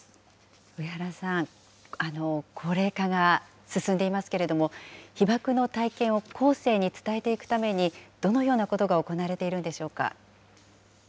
上原さん、高齢化が進んでいますけれども、被爆の体験を後世に伝えていくために、どのようなことが行われているんでしょうか。